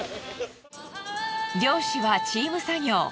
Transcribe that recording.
漁師はチーム作業。